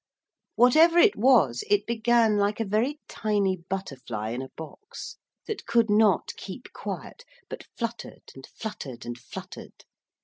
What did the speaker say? Whatever it was it began like a very tiny butterfly in a box, that could not keep quiet, but fluttered, and fluttered, and fluttered.